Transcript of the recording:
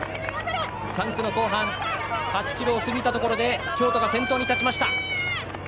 ３区の後半８ｋｍを過ぎたところで京都が先頭に立ちました。